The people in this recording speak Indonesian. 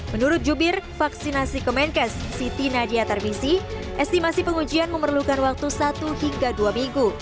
menurut jubir vaksinasi kemenkes siti nadia tarmisi estimasi pengujian memerlukan waktu satu hingga dua minggu